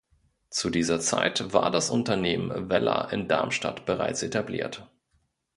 Zu dieser Zeit war das Unternehmen Wella in Darmstadt bereits etabliert.